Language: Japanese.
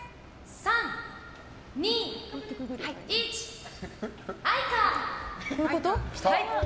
３、２、１愛花！